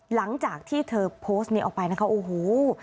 หลังจากที่เธอโพสต์นี้ออกไปนะคะโอ้โห